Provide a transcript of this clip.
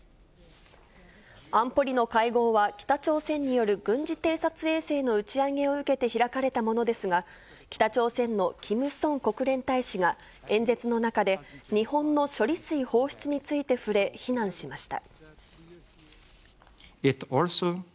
安保理の会合は、北朝鮮による軍事偵察衛星の打ち上げを受けて開かれたものですが、北朝鮮のキム・ソン国連大使が、演説の中で日本の処理水放出について触れ、非難しました。